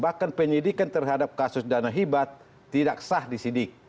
bahkan penyidikan terhadap kasus dana hibat tidak sah disidik